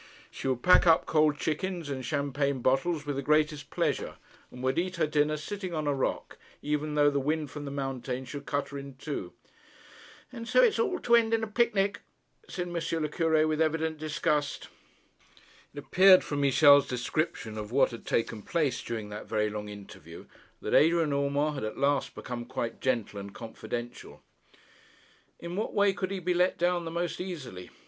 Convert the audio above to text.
She would pack up cold chickens and champagne bottles with the greatest pleasure, and would eat her dinner sitting on a rock, even though the wind from the mountains should cut her in two. 'And so it's all to end in a picnic,' said M. le Cure, with evident disgust. It appeared from Michel's description of what had taken place during that very long interview that Adrian Urmand had at last become quite gentle and confidential. In what way could he be let down the most easily?